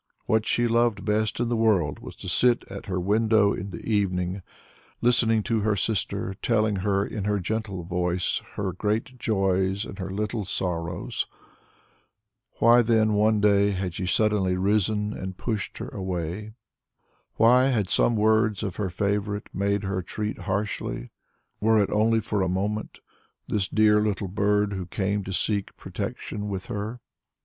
What she loved best in the world was to sit at her window in the evening, listening to her sister telling her in her gentle voice her great joys and her little sorrows. Why then one day had she suddenly risen and pushed her away? Why had some words of her favourite made her treat harshly, were it only for a moment, this dear little bird who came to seek protection with her?